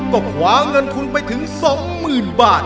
ก็ขวาเงินทุนไปถึง๒หมื่นบาท